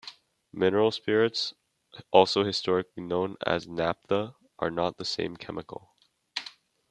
Mineral spirits, also historically known as "naptha", are not the same chemical.